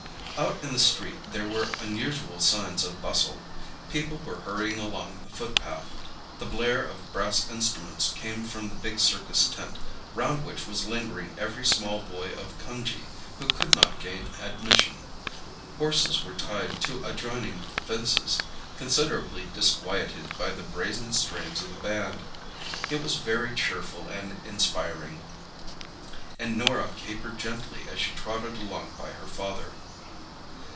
Out in the street there were unusual signs of bustle. People were hurrying along the footpath. The blare of brass instruments came from the big circus tent, round which was lingering every small boy of Cunjee who could not gain admission. Horses were tied to adjoining fences, considerably disquieted by the brazen strains of the band. It was very cheerful and inspiring, and Norah capered gently as she trotted along by her father.